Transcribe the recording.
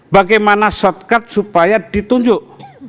bagaimana shortcut supaya ditunjuk